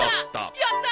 やった！